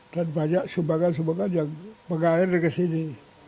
dan banyak sumbangan sumbangan yang mengakhiri ke sini